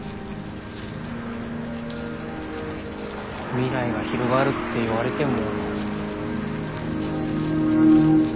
「未来が広がる」って言われても。